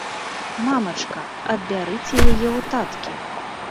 Мамачка, адбярыце яе ў таткі.